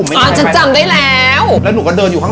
หัวตำแหน่ง